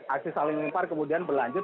aksi saling impar kemudian berlanjut